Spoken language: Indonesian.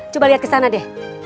coba lihat ke sana deh